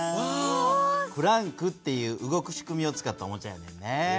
「クランク」っていう動く仕組みを使ったおもちゃやねんで。